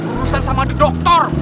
urusan sama dokter